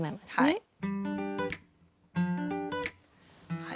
はい。